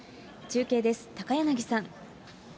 中継です、高柳さん。